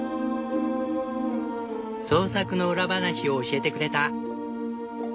創作の裏話を教えてくれた。